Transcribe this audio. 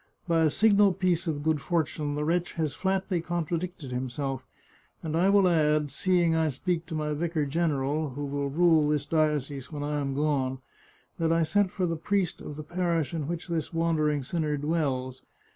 By a signal piece of good for tune the wretch has flatly contradicted himself, and I will add, seeing I speak to my vicar general, who will rule this diocese when I am gone, that I sent for the priest of the parish in which this wandering sinner dwells.